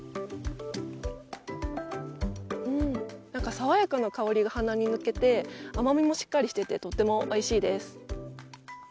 爽やかな香りが鼻に抜けて甘みもしっかりとしていてとてもおいしいです。